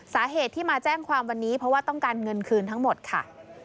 สาเหตุที่มาแจ้งความวันนี้เพราะว่าต้องการเงินคืนทั้งหมดค่ะ